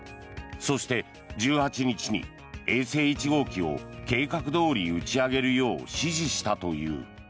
そして１８日に衛星１号機を計画どおり打ち上げるよう指示したという。